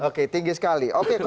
oke tinggi sekali oke